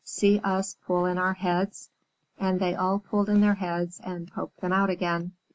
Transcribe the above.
"See us pull in our heads." And they all pulled in their heads and poked them out again.